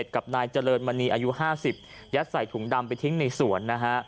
กับนายเจริญมณีอายุ๕๐ยัดใส่ถุงดำไปทิ้งในสวนนะฮะ